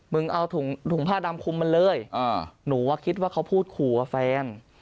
เอาถุงผ้าดำคุมมันเลยหนูว่าคิดว่าเขาพูดขู่ว่าแฟน